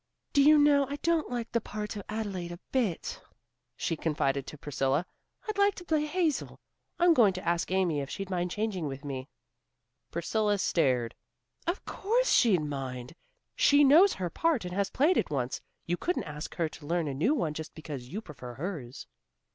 "Do you know I don't like the part of Adelaide a bit," she confided to Priscilla. "I'd like to play Hazel. I'm going to ask Amy if she'd mind changing with me." Priscilla stared. "Of course she'd mind. She knows her part and has played it once. You couldn't ask her to learn a new one just because you prefer hers."